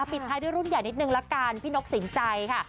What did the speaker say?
ปิดท้ายด้วยรุ่นใหญ่นิดนึงละกันพี่นกสินใจค่ะ